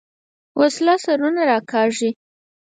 وسله سرونه راکاږي